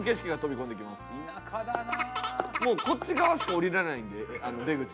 もうこっち側しか降りられないんで出口。